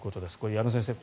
矢野先生